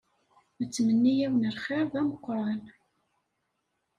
Nettmenni-awen lxir d ameqran.